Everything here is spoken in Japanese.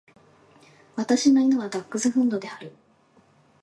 私の犬はダックスフンドである。